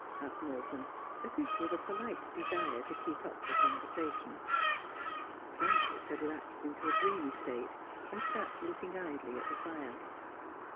' asked Morton, as if with a polite desire to keep up the conversation. Frances had lapsed into a dreamy state, and sat looking idly at the fire.